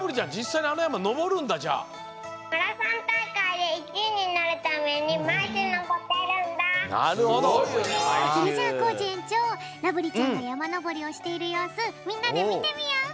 それじゃあコージえんちょうらぶりちゃんがやまのぼりをしているようすみんなでみてみよう。